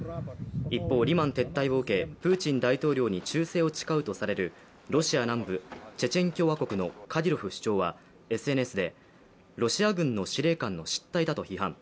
一方、リマン撤退を受けプーチン大統領に忠誠を使うとされるロシア南部チェチェン共和国のカディロフ首長はＳＮＳでロシア軍の司令官の失態だと批判。